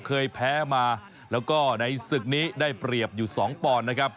เคยแพ้มาแล้วก็ในศึกนี้ได้เปรียบอยู่๒ปอนด์นะครับ